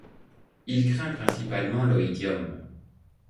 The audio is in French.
Il craint principalement l'oïdium.